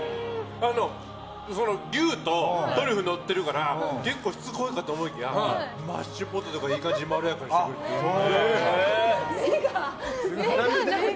牛とトリュフがのってるから結構、しつこいかと思いきやマッシュポテトがいい感じに目が。